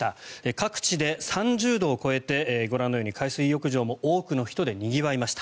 各地で３０度を超えてご覧のように海水浴場も多くの人でにぎわいました。